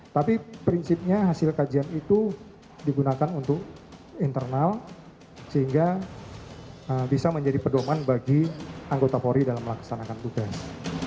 tapi prinsipnya hasil kajian itu digunakan untuk internal sehingga bisa menjadi pedoman bagi anggota polri dalam melaksanakan tugas